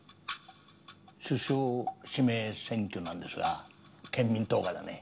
首相指名選挙なんですが憲民党がだね